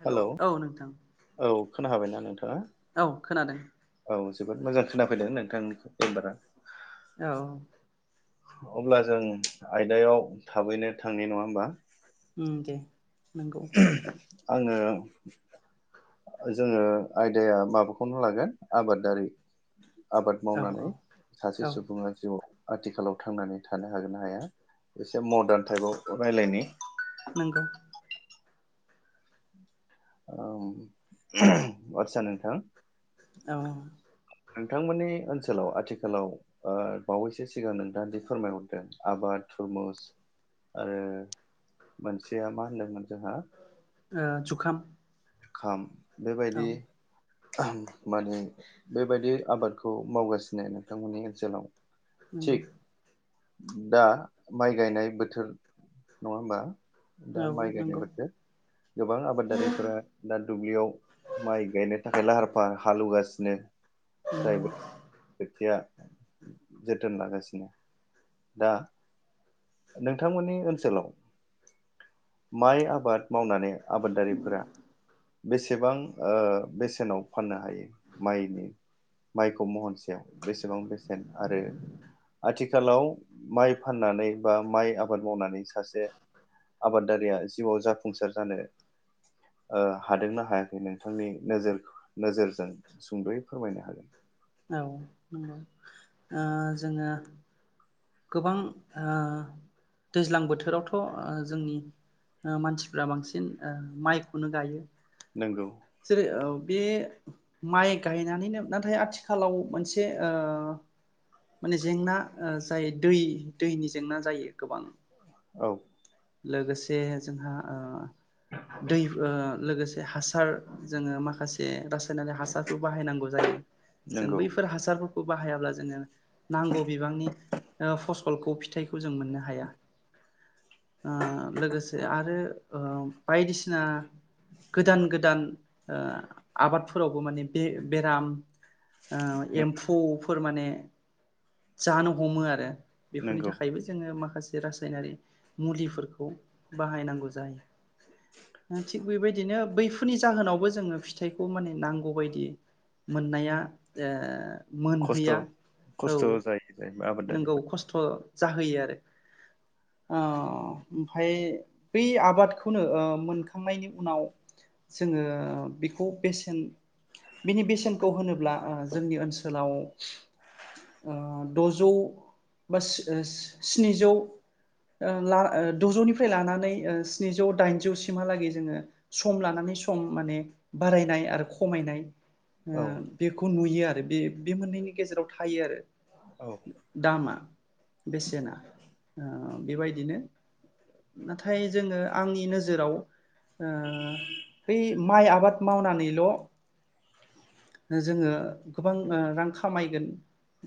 Hello hello औ नोंथां खोना हाबायना औ खोनादों जोबोद मोजां खोनाफैदों नोंथांनिखौ मेमबारा औ अब्ला जों आयदायाव थाबैनो थांनि नङा होमबा उम दे नंगौ आङो जोङो आयदाया माबाखौनो लागोन आबादारि आबाद औ मावनानै औ सासे औ सुबुङा जिउआव आथिखालाव थांनानै थानो हागोन ना हाया एसे मदार्न टाइपआव रायलायनि नंगौ ओ ओम आदसा नोंथां औ नोंथांमोननि ओनसोलाव आथिखालाव ओ बावैसो सिगां नोंथाङा दि फोरमायहरदों आबाद थुरमुस आरो मोनसेया मा होनदोंमोन जोंहा ओ जुखाम खाम औ बेबायदि माने बेबायदि आबादखौ मावगासिनो नोंथांमोननि ओनसोलाव नंगौ थिग दा माइ गायनाय बोथोर नङा होमबा दा औ माइ गायनाय नंगौ बोथोर गोबां आबादारिफोरा दुब्लियाव माइ गायनो थाखाय लाहार फाहार हालेवगासिनो जाय नंगौ खोथिया जोथोन लागासिनो दा नोंथांमोननि ओनसोलाव माइ आबाद मावनानै आबादारिफोरा बेसेबां ओ बेसेनाव फाननो हायो माइनि माइखौ महनसेयाव बेसेबां बेसेन आरो आथिखालाव माइ फाननानै बा माइ आबाद मावनानै सासे आबादारिया जिउआव जाफुंसार जानो ओ हादोंना हायाखै नोंथांनि नोजोर नोजोरजों सुंद'यै फोरमायनो हागोन औ नंगौ ओ जोङो गोबांओ दैज्लां बोथोरावथ' ओ जोंनि मानसिफ्रा बांसिन ओ माइखौनो गायो नंगौ जेरै औ बे माइ गायनानैनो नाथाय आथिखालाव मोनसे ओ माने जेंना जाय दै दैनि जेंना जायो गोबां औ लोगोसे जोंहा ओ दै ओ लोगोसे हासार जोङो माखासे होनानै हासारबो बाहायनांगौ जायो जों नंगौ बैफोर हासारखौ खौ बाहायाब्ला जोङो नांगौ बिबांनि ओ फस सलखौ फिथाइखौ जों मोननो हाया ओ लोगोसे आरो ओ बायदिसिना गोदान गोदान ओ आबादफोरावबो माने बे बेराम ओ एम्फौफोर माने जानो हमो आरो बेफोरनि नंगौ थाखायबो जोङो माखासे जे रासायनारि मुलिफोरखौ बाहायनांगौ जायो थिग बेबायदिनो बैफोरनि जाहोनावबो जोङो फिथाइखौ माने नांगौबायदि मोननाया जे खस्थ' मोनहैया औ खस्थ' जायो जाहैबाय नोंगौ आबादारिफ्रा खस्थ' जाहोयो आरो ओ ओमफाय बै आबादखौनो ओ मोनखांनायनि उनाव जोङो बेखौ बेसेन बिनि बेसेनखौ होनोब्ला ओ जोंनि ओनसोलाव ओ द'जौ बा स्नि स्निजौ ओ ला द'जौनिफ्राय लानानै ओ स्निजौ दाइनजौसिमहालागै जोङो सम लानानै सम माने बारायनाय आरो खमायनाय ओ औ बेख खौ नुयो आरो बे बे मोननैनि गेजेराव थायो आरो औ दामा बेसेना औ बेबायदिनो नाथाय जोङो आंनि नोजोराव ओ बै माइ आबाद मावनानैल' जोङो गोबां ओ रां खामायगोन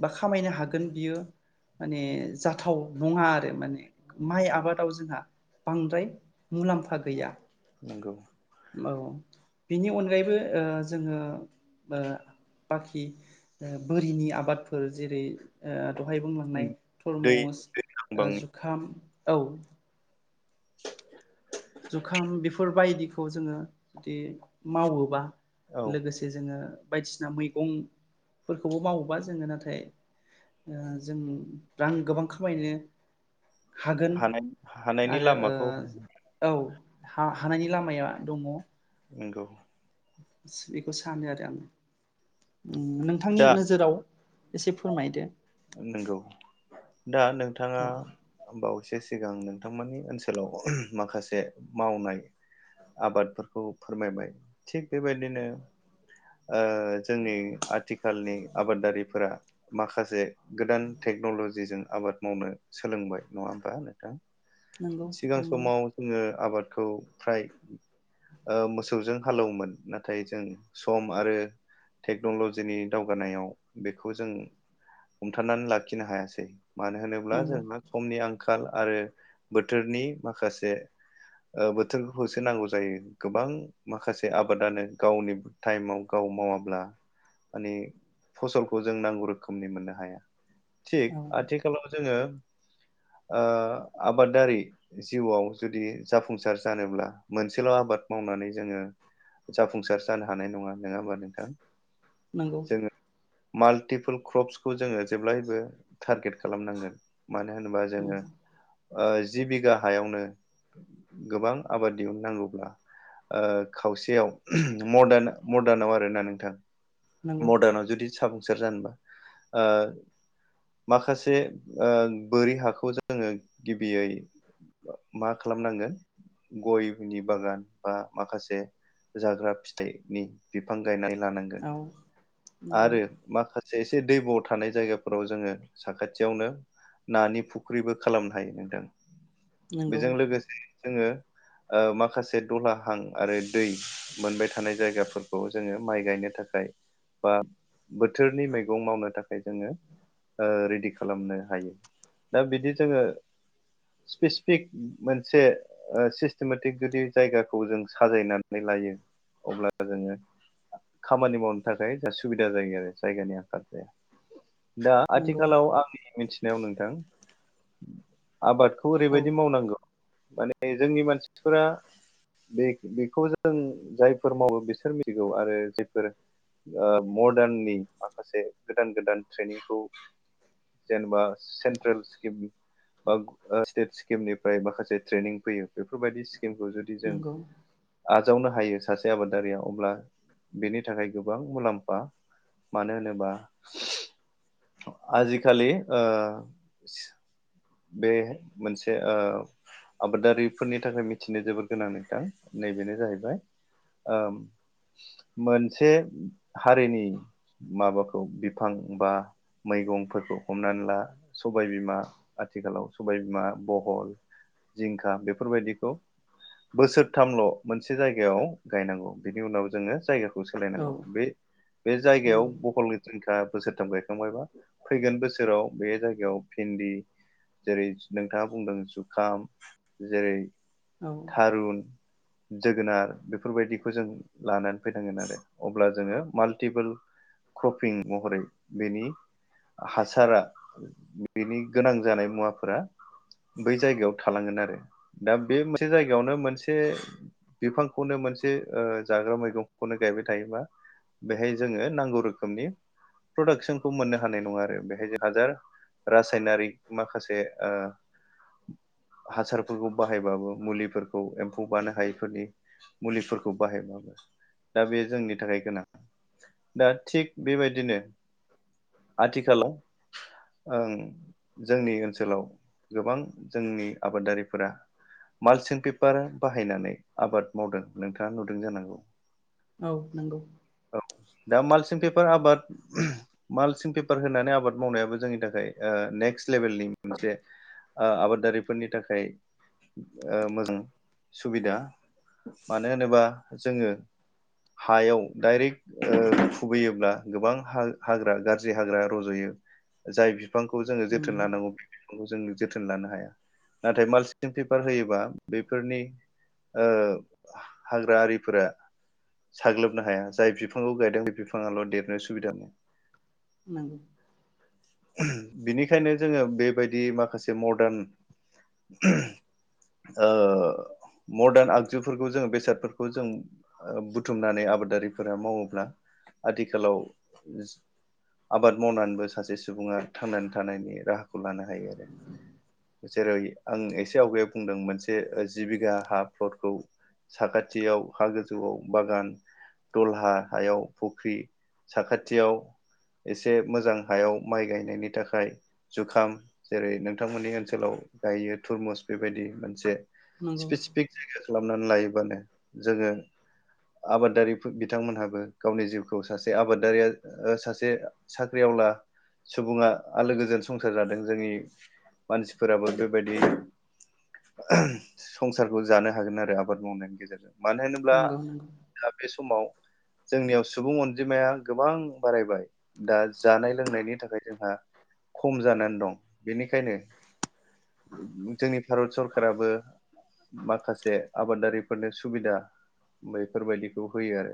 बा खामायनो हागोन बियो माने जाथाव नङा आरो माने माइ आबादाव जोंहा बांद्राय मुलाम्फा गैया नंगौ औ बिनि अनगायैबो ओ जोङो ओ बाखि ओ बोरिनि आबादफोर जेरै ओ दहाय बुंलांनाय दै थरमस दै नांबांनि ओ औ [unintelligible] बेखौ जोङो जुदि मावोबा औ लोगोसे जोङो बायदिसिना मैगंफोरखौबो मावोबा जोङो नाथाय ओ जों रां गोबां खामायनो हागोन हानाय हानायनि आरो लामाखौ ओ औ हा हानायनि लामाया दङ नोंगौ बेखौ सानो आरो आङो उम नोंथांनि नोजोराव एसे फोरमायदो नोंगौ दा नोंथाङा औ बावैसो से सिगां नोंथांमोननि ओनसोलाव माखासे मावनाय आबादफोरखौ फोरमायबाय थिग बेबायदिनो ओ जोंनि आथिखालनि आबादारिफोरा माखासे गोदान टेक्न'ल'जिजों आबाद मावनो सोलोंबाय नङा होमबा नोंथां नंगौ सिगां नंगौ समाव जोङो आबाद खौ फ्राय ओ मोसौजों हालौवोमोन नाथाय जों सम आरो टेक्न'लजिनि दावगानायाव बेखौ जों हमथानानै लाखिनो हायासै मानो होनोब्ला नंगौ जोंना समनि आं खाल आरो बोथोरनि माखासे ओ बोथोरखौसो नांगौ जायो गोबां माखासे आबादानो गावनि टाइमाव गाव मावाब्ला मानि फसलखौ जों नांगौ रोखोमनि मोननो हाया थिग औ आथिखालाव जोङो ओ आबादारि जिउआव जुदि जाफुंसार जानोब्ला मोनसेल' आबाद मावनानै जोङो जाफुंसार जानो हानाय नङा नोङा होनबा नोंथां नोंगौ जोङो माल्टिपोल क्रप्सखौ जोङो जेब्लायबो टारगेट खालामनांगोन मानो होनोबा जोङो ओ जि बिगा हायावनो गोबां आबाद दिहुननांगौब्ला ओ खावसेयाव मडान मदानाव आरोना नोंथां नंगौ नंगौ मदाना जुदि साब सोर जानोबा ओ माखासे ओ बोरि हाखौ जोङो गिबियै मा खालाम नांगोन गयनि बागान बा माखासे जाग्रा फिथाइनि फिफां गायनानै लानांगोन औ नंगौ आरो माखा से एसे दैब' थानाय जायगाफोराव जोङो साखाथियावनो नानि फुख्रिबो खालामनो हायो नोंथां नंगौ बेजों लोगोसे जोङो माखासे दलाहां आरो दै मोनबाय थानाय जायगाफोरखौ जोङो माइ गायनो थाखाय बा बोथोरनि मैगं मावनो थाखाय जोङो ओ रेडि खालामनो हायो दा बिदि जोङो स्पेसिफिक मोनसे सिस्टेमेटिक जुदि जायगाखौ जों साजायनानै लायो अब्ला जोङो खामानि माव नो थाखाय जा सुबिदा जायो आरो जायगानि आंखाल जाया दा नंगौ आथिखालाव आंनि मिनथि नायाव नोंथां आबादखौ औ ओरैबायदि मावनांगौ माने जोंनि मानसिफोरा बे बेखौ जों जायफोर मावो बिसोर मिथिगौ आरो जायफोर ओ मदार्ननि माखासे गोदान गोदान ट्रेनिंखौ जेनेबा सेन्ट्रेल स्किम बा स्टेट स्किमनिफ्राय माखासे ट्रेनिं फैयो बेफोरबायदि किम खौ जुदि जों नंगौ आजावनो हायो सासे आबादारिया अब्ला बेनि थाखाय गोबां मुलाम्फा मानो होनोबा आजिखालि ओ बे मोनसे ओ आबादारिफोरनि थाखाय मिथिनो जोबोद गोनां नोंथां नैबेनो जाहैबाय मोनसे हारिनि माबाखौ बिफां बा मैगंफोरखौ हमनानै ला सबायबिमा आथिखालाव सबायबिमा बहल जिंखा बेफोरबायदिखौ बोसोरथामल' मोनसे जायगायाव गायनांगौ बिनि उनाव जोङो जायगाखौ खौ औ सोलायनांगौ बे बे जायगायाव नंगौ बहल जिंखा बोसोरथाम गायखांबायबा फैगोन बोसोराव बे जायगायाव भिन्दि जेरै नोंथाङा बुंदों जुखाम जेरै औ थारुन जोगोनार बेफोरबायदिखौ जों लानानै फैनांगोन आरो अब्ला जोङो माल्टिपोल क्रपिं महरै बेनि हासारा बेनि गोनां जानाय मुवाफोरा बै जायगायाव थालांगोन आरो दा बे मोनसे जायगायावनो मोनसे बिफांखौनो मोनसे ओ मोनसे जाग्रा मैगंखौनो गायबाय थायोबा बेहाय जोङो नांगौ रोखोमनि प्रदाक्सनखौ मोननो हानाय नङा आरो बेहाय जों हाजार रासायनारिक माखासे ओ हासारफोरखौ बाहायबाबो मुलिफोरखौ एम्फौ बानो हायैफोरनि मुलिफोरखौ बाहायबाबो दा बे जोंनि थाखाय गोनां दा थिग बेबायदिनो आथिखालाव ओं जोंनि ओनसोलाव गोबां जोंनि आबादारिफोरा मालसिं पेपार बाहायनानै आबाद मावदों नोंथाङा नुदों जानांगौ औ नंगौ औ दा मालसिं पेपार आबाद मालसिं पेपार होनानै आबाद मावनायाबो जोंनि थाखाय ओ नेक्स्ट लेभेलनि मोनसे ओ आबादारिफोरनि थाखाय ओ मोजां सुबिदा मानो होनोबा जोङो हायाव डाइरेक्ट ओ खुबैयोब्ला गोबां हा-हाग्रा गाज्रि हाग्रा रज'यो जाय बिफांखौ जों जोथोन उम लानांगौ बे फिफांखौ जोंनो जोथोन लानो हाया नाथाय मालसिं पेपार होयोबा बेफोरनि ओ हाग्रा आरिफोरा साग्लोबनो हाया जाय बिफांखौ गायदों बे बिफाङाल' देरनो सुबिदा मोनो नंगौ [unintelligible] बिनि बेखायनो जोङो बेबायदि माखासे मडार्न ओ मदार्न आगजुफोरखौ जोङो बेसादफोरखौ जों बुथुमनानै आबादारिफोरा मावोब्ला आथिखालाव आबाद मावनानैबो सासे सुबुङा थांनानै था थानायनि राहाखौ लानो हायो आरो जेरै आं एसे आवगायाव बुंदों मोनसे जि बिघा हा फ्लदखौ साखाथियाव हा गोजौआव बागान दलहा हायाव फुख्रि साखाथियाव एसे मोजां हायाव माइ गायनायनि थाखाय जुखाम जेरै नोंथांमोननि ओनसोलाव गायो तुरमुस बेबायदि मोनसे नंगौ स्पेसिफिक जायगा खालामनानै लायो बानो जोङो आबादारिफोर बिथांमोनहाबो गावनि जिउखौ सासे आबादारिया ओ सासे साख्रिआवला सुबुङा आलो गोजोन संसार जादों जोंनि मानसिफोराबो बेबायदि संसारखौ जानो हागोन आरो आबाद मावनायनि गेजेरजों मानो होनोब्ला नंगौ नंगौ दा बे समाव जोंनियाव सुबुं अनजिमाया गोबां बारायबाय दा जानाय लोंनायनि थाखाय जोंहा खम जानानै दं बेनिखायनो जोंनि भारत सरकाराबो माखासे आबादारिफोरनो सुबिदा बेफोरबायदिखौ होयो आरो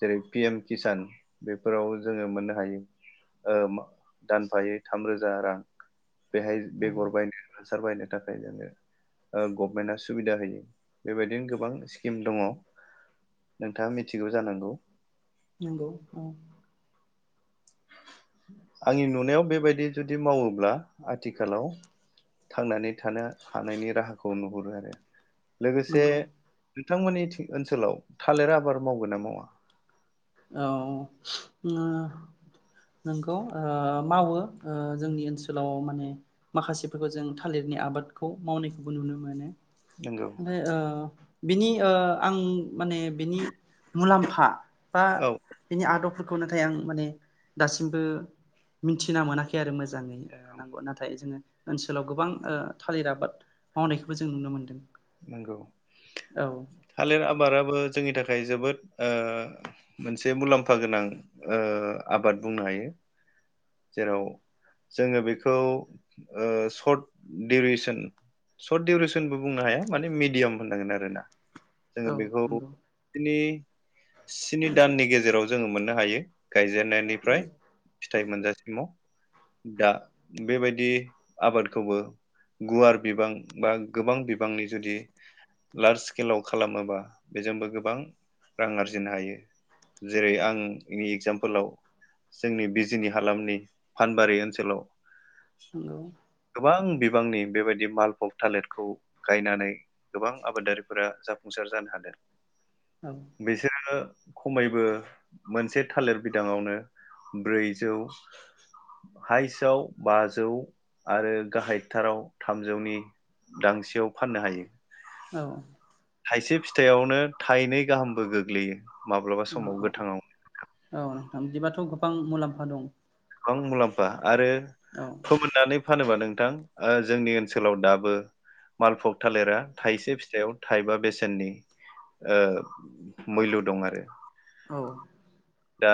जेरै पि एम किसान बेफोराव जोङो मोननो हायो ओ दानफायै थामरोजा रां बेहाय औ बेगर बायनो हासार बायनो थाखाय जोङो ओ गभनमेन्टआ सुबिदा होयो बेबायदिनो गोबां स्किम दङ नोंथाङा मिथिगौ जानांगौ नोंगौ औ आंनि नुनायाव बेबायदि जुदि मावोब्ला आथिखालाव थांनानै थानो हानायनि राहाखौ नुहुरो आरो लोगोसे नंगौ बिथांमोननि ओनसोलाव थालिर आबाद मावगोन ना मावा? औ ओ नोंगौ ओ मावो ओ जोंनि ओनसोलाव माने माखासेफोरखौ जों थालिरनि आबादखौ मावनायखौबो नुनो मोनो नंगौ ओमफाय अ बिनि ओ आं माने बिनि मुलामफा बा औ बिनि आद बफोरखौ नाथाय आं माने दासिमबो मिथिना मोनाखै आरो मोजाङै ओ नंगौ नाथाय जोङो ओनसोलाव गोबां ओ थालिर आबाद मावनायखौबो जों नुनो मोनदों नंगौ औ थालिर आबादाबो जोंनि थाखाय जोबोद ओ मोनसे मुलामफा गोनां ओ आबाद बुंनो हायो जेराव जोङो बेखौ ओ सर्ट डउरेसन सर्ट डउरेसनबो बुंनो हाया माने मिडियाम होननांगोन आरोना जोङो औ बेखौ नंगौ बिनि स्नि दाननि गेजेराव जोङो मोननो हायो गायजेननायनिफ्राय फिथाइ मोनजासिमाव दा बेबायदि आबादखौबो गुवार बिबां बा गोबां बिबांनि जुदि लार्ज स्केलाव खालामोबा बेजोंबो गोबां रां आरजिनो हायो जेरै आंनि एगजामपोलाव जोंनि बिजिनि हालामनि फानबारि ओनसोलाव नंगौ गोबां बिबांनि बेबायदि मालफक थालिरखौ गायनानै गोबां आबादारिफोरा जाफुंसार जानो हादों औ बेैसोर खमैबो मोनसे थालिर बिदाङावनो ब्रैजौ हाइस्टआव बाजौ आरो गाहायथाराव थामजौनि दांसेयाव फाननो हायो औ थाइसे फिथाइयावनो थाइनै गाहामबो गोग्लैयो माब्लाबा समाव गोथाङाव थां बिदिबाथ' गोबां मुलामफा दं गोबां मुलामफा आरो औ फोमोननानै फानोबा नों थां ओ जोंनि ओनसोलाव दाबो मालफग थालिरा थाइसे फिथाइयाव थाइबा बेसेननि ओ मुइल' दं आरो औ दा